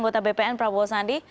kbpn prabowo sandi